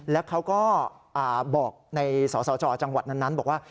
แล้วเขาก็บอกในสสจจังหวัดนั้นบอกว่า